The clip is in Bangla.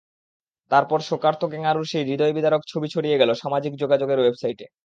তারপর শোকার্ত ক্যাঙারুর সেই হৃদয়বিদারক ছবি ছড়িয়ে গেল সামাজিক যোগাযোগের ওয়েবসাইটে।